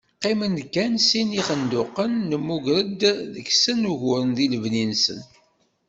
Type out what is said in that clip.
Qqimen-d kan sin n yixenduqen, nemmuger-d deg-sen uguren di lebni-nsen.